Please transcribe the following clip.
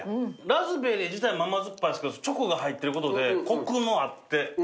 ラズベリー自体も甘酸っぱいんですけどチョコが入ってることでコクもあって。